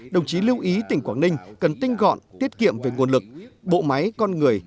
đồng chí lưu ý tỉnh quảng ninh cần tinh gọn tiết kiệm về nguồn lực bộ máy con người